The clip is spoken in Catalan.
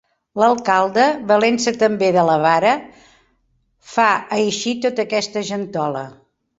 L'alcalde, valent-se també de la vara, fa eixir tota aquesta gentola.